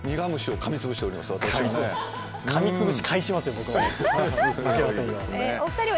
かみつぶし返しますよ、僕も。